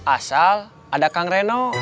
asal ada kang reno